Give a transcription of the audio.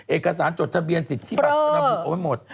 เอกสารจดทะเบียนสิทธิบัตรระบุเอาไว้หมด